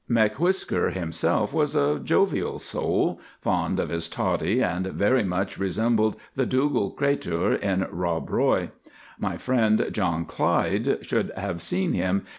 M'Whisker himself was a jovial soul, fond of his toddy, and very much resembled the Dougal Cratur in "Rob Roy." My friend, John Clyde, should have seen him.